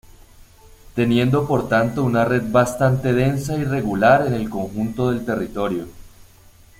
Teniendo por tanto una red bastante densa y regular en el conjunto del territorio.